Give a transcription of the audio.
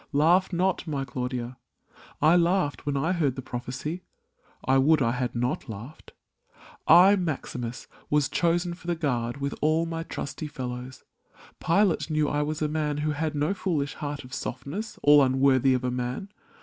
Laugh not, my Claudia. I laughed when I heard The prophecy. I would I had not laughed ! I, Maximus, was chosen for the guard With all my trusty fellows. Pilate knew I was a man who had no foolish heart Of softness all unworthy of a man!